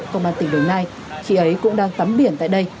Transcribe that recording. công an tỉnh đồng nai khi ấy cũng đang tắm biển tại đây